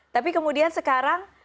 tapi kemudian sekarang